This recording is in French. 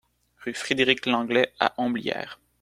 Rue Frédéric Lenglet à Homblières